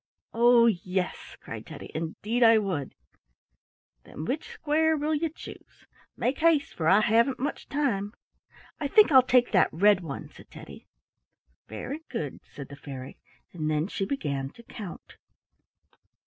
"Oh, yes!" cried Teddy. "Indeed, I would." "Then which square will you choose? Make haste, for I haven't much time." "I think I'll take that red one," said Teddy. "Very good," said the fairy, and then she began to count.